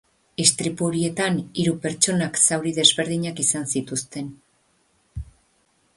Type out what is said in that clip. Istripu horietan hiru pertsonak zauri desberdinak izan zituzten.